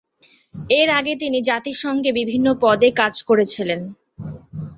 এর আগে তিনি জাতিসংঘে বিভিন্ন পদে কাজ করেছিলেন।